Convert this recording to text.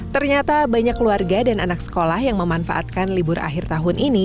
ternyata banyak keluarga dan anak sekolah yang memanfaatkan libur akhir tahun ini